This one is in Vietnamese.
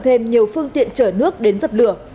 thêm nhiều phương tiện chở nước đến dập lửa